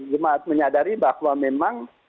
jemaat menyadari bahwa memang